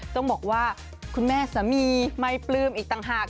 ต้องบอกว่าคุณแม่สามีไม่ปลื้มอีกต่างหาก